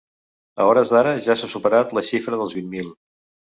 A hores d’ara ja s’ha supera la xifra dels vint mil.